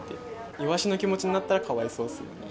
イワシの気持ちになったら、かわいそうっすよね。